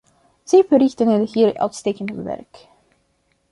Zij verrichten hier uitstekend werk.